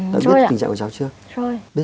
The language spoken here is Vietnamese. đã biết tình trạng của cháu chưa